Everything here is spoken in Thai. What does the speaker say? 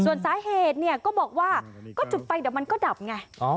ส่วนสาเหตุเนี่ยก็บอกว่าก็จุดไปเดี๋ยวมันก็ดับไง